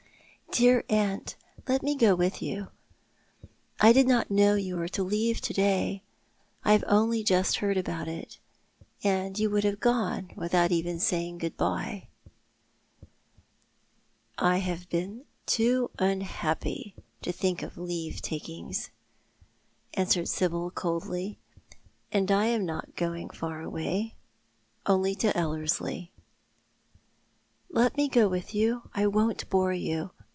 " Dear aunt, let me go with you. I did not know you were to leave to day. I have only just heard about it. And you would have gone without even saying good bye." "I have been too unhappy to think of leave takings," answered Sibyl, coldly. " And I am not going far away — only to EUerslie." " Let me go with you. I won't bore you.